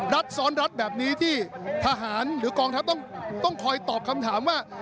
ซ้อนรัฐแบบนี้ที่ทหารหรือกองทัพต้องคอยตอบคำถามว่า